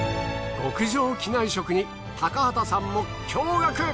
極上機内食に高畑さんも驚愕。